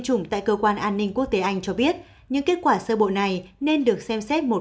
chủng tại cơ quan an ninh quốc tế anh cho biết những kết quả sơ bộ này nên được xem xét một